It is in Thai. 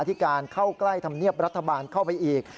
ที่การเข้าใกล้ธรรมเนียบรัฐบาลเข้าไปอีก